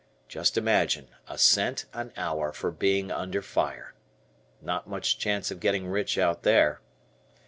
Just imagine, a cent an hour for being under fire, not much chance of getting rich out there.